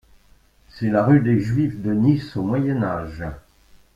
C'est la rue des Juifs de Nice au Moyen Âge.